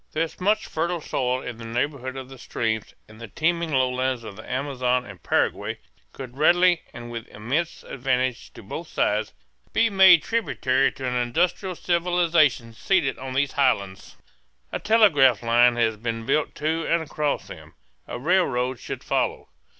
There is much fertile soil in the neighborhood of the streams, and the teeming lowlands of the Amazon and the Paraguay could readily and with immense advantage to both sides be made tributary to an industrial civilization seated on these highlands. A telegraph line has been built to and across them. A rail road should follow.